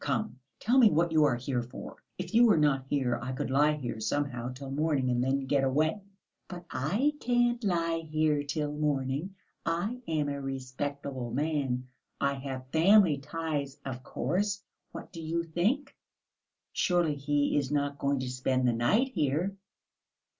Come, tell me what you are here for? If you were not here I could lie here somehow till morning, and then get away." "But I can't lie here till morning. I am a respectable man, I have family ties, of course.... What do you think, surely he is not going to spend the night here?"